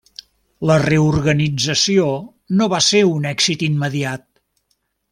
La reorganització no va ser un èxit immediat.